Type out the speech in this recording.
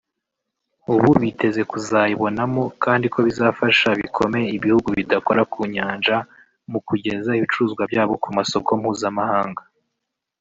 ubu biteze kuzayibonamo kandi ko bizafasha bikomeye ibihugu bidakora ku nyanja mu kugeza ibicuruzwa byabo ku masoko mpuzamahanga